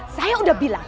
saya udah bilang